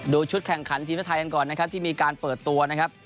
ชุดแข่งขันทีมชาติไทยกันก่อนนะครับที่มีการเปิดตัวนะครับ